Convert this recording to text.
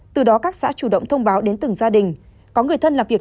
từ đó các xã chủ động thông báo đến từng gia đình có người thân làm việc